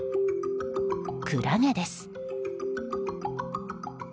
クラゲです。